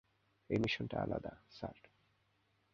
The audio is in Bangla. এই মিশনটা আলাদা, স্যার।